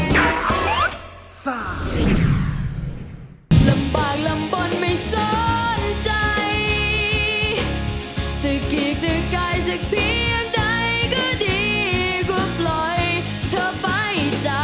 จากฉัน